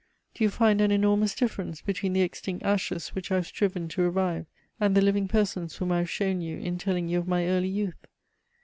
Do you find an enormous difference between the extinct ashes which I have striven to revive and the living persons whom I have shown you in telling you of my early youth?